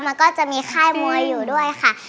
มันก็จะมีค่ายมวยอยู่ด้วยค่ะ